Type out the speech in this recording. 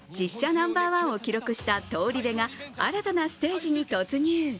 ナンバーワンを記録した「東リベ」が新たなステージに突入。